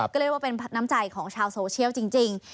ก็เรียกว่าเป็นน้ำใจของชาวโซเชียลจริง